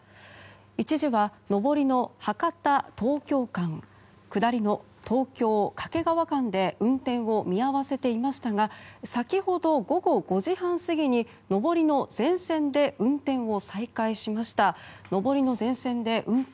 一時は上りの博多東京間下りの東京掛川間で運転を見合わせていましたが先ほど、午後５時半過ぎに上りの全線で運転を再開しました。